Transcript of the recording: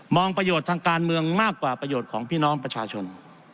ประโยชน์ทางการเมืองมากกว่าประโยชน์ของพี่น้องประชาชน